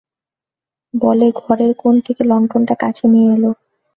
বলে ঘরের কোণ থেকে লণ্ঠনটা কাছে নিয়ে এল।